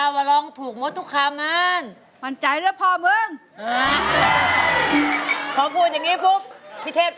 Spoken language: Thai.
สุดท้ายที่กรุงเทพฯ